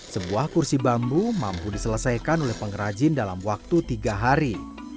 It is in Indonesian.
sebuah kursi bambu mampu diselesaikan oleh pengrajin dalam waktu tiga hari